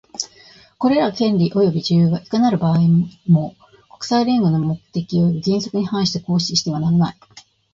これらの権利及び自由は、いかなる場合にも、国際連合の目的及び原則に反して行使してはならない。